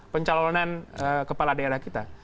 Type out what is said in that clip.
pencalonan kepala daerah kita